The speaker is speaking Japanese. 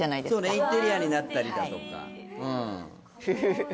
インテリアになったりだとかうわ素敵